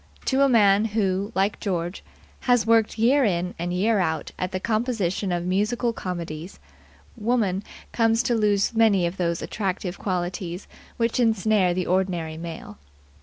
To a man who, like George, has worked year in and year out at the composition of musical comedies, woman comes to lose many of those attractive qualities which ensnare the ordinary male.